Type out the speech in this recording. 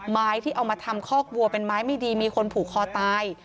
ที่เอามาทำคอกวัวเป็นไม้ไม่ดีมีคนผูกคอตาย